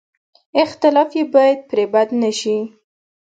اختلاف یې باید پرې بد نه شي.